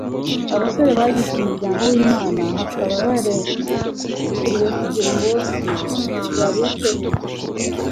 abasore bagize umuryango w'Imana, hakaba bareguriwe kugira ngo babiteho